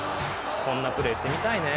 こんなプレー、してみたいねえ。